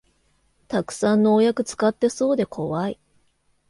たくさん農薬使ってそうでこわい